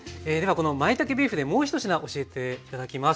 このまいたけビーフでもう１品教えて頂きます。